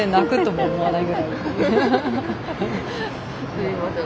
すいません